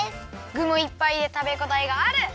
ぐもいっぱいでたべごたえがある！